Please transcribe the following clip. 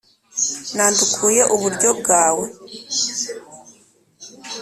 nandukuye uburyo bwawe